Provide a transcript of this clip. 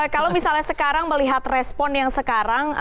kalau misalnya sekarang melihat respon yang sekarang